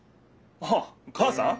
あっ母さん？